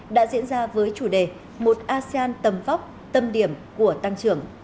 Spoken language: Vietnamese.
đã diễn ra với chủ đề một asean tầm vóc tâm điểm của tăng trưởng